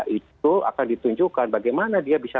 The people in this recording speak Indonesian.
itu akan ditunjukkan bagaimana dia bisa